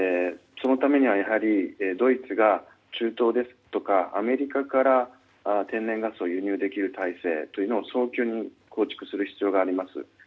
そのためには、やはりドイツが、中東ですとかアメリカから天然ガスを輸入できる体制というのを早急に構築する必要があります。